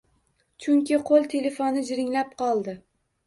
Chunki qoʻl telefoni jiringlab qoldi